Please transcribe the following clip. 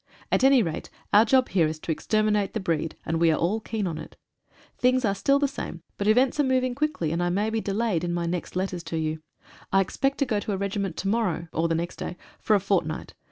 At any rate, our job here is to exterminate the breed, and we are all keen on it. Things are still the same, but events are moving quickly, and I may be delayed in my next letters to you. I expect to go to a regiment to morrow, or the next day, for a fortnight.